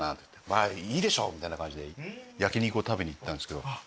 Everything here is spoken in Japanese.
まあいいでしょうみたいな感じで焼き肉を食べに行ったんですけど。